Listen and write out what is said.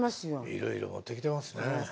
いろいろ持ってきてますね。